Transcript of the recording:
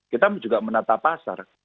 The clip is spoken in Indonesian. kita juga menata pasar